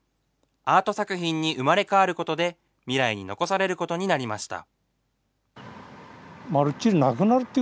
アート作品に生まれ変わることで、未来に残されることになりました。